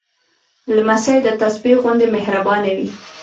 لمسی د تسبېح غوندې مهربانه وي.